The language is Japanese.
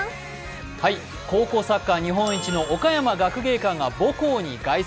高校サッカー日本一の岡山学芸館が母校に凱旋。